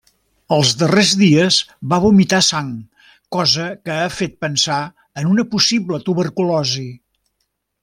Els darrers dies va vomitar sang, cosa que ha fet pensar en una possible tuberculosi.